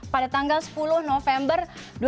pada tanggal sepuluh november dua ribu delapan belas